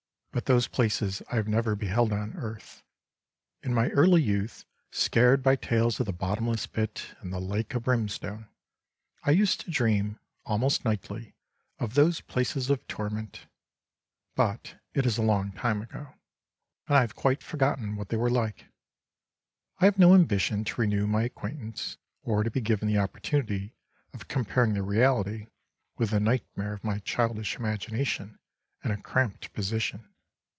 But those places I have never beheld on earth. In my early youth, scared by tales of the bottomless pit and the lake of brimstone, I used to dream, almost nightly, of those places of torment; but it is a long time ago, and I have quite forgotten what they were like. I have no ambition to renew my acquaintance, or to be given the opportunity of comparing the reality with the nightmare of my childish imagination and a cramped position.